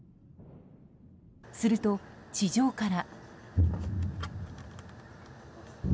すると、地上から。